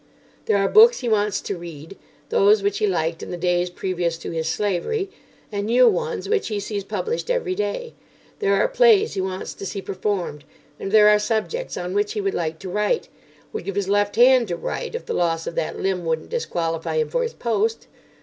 There are books he wants to read—those which he liked in the days previous to his slavery—and new ones which he sees published every day. There are plays he wants to see performed. And there are subjects on which he would like to write—would give his left hand to write, if the loss of that limb wouldn't disqualify him for his post.